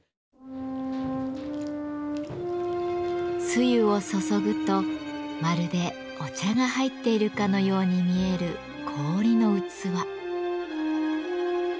つゆを注ぐとまるでお茶が入っているかのように見える氷の器。